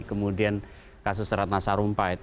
kemudian kasus ratna sarumpait